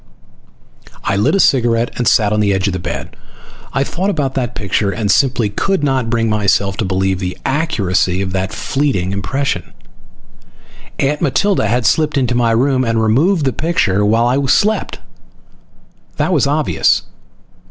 I lit a cigarette and sat on the edge of the bed. I thought about that picture, and simply could not bring myself to believe the accuracy of that fleeting impression. Aunt Matilda had slipped into my room and removed the picture while I slept. That was obvious.